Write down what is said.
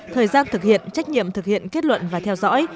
thời gian thực hiện trách nhiệm thực hiện kết luận và theo dõi